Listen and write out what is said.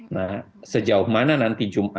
nah sejauh mana nanti jumat itu